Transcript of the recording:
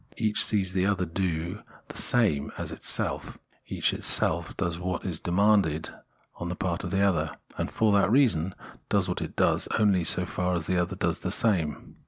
Each sees the other do the same as itself ; each itself does what it demands on the part of the other, and for that reason does what it does, only so far as the other does the same.